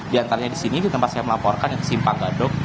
di antaranya di sini di tempat saya melaporkan yaitu simpang gadok